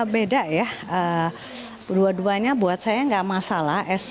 beda ya dua duanya buat saya nggak masalah